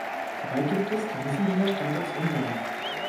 Dabei gab es gewissen Widerstand aus Ungarn.